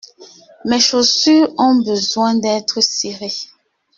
Mes chaussures ont besoin d'être cirées.